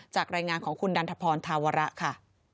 รายงานของคุณดันทพรธาวระค่ะ